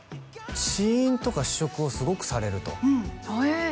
試飲とか試食をすごくされるとうんええっ？